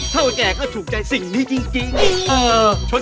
เท่าแก่ก็ถูกใจสิ่งนี้จริง